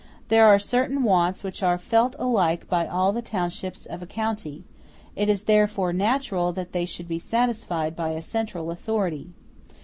There are certain wants which are felt alike by all the townships of a county; it is therefore natural that they should be satisfied by a central authority.